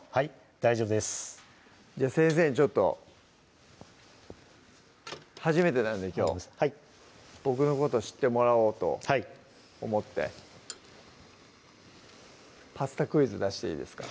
大丈夫です先生にちょっと初めてなんできょう僕のこと知ってもらおうと思ってパスタクイズ出していいですか？